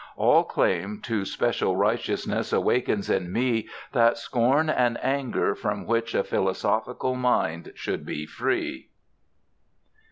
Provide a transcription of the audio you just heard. All claim to special righteousness awakens in me that scorn and anger from which a philosophical mind should be free.